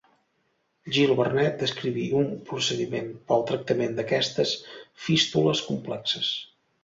Gil-Vernet descriví un procediment pel tractament d'aquestes fístules complexes.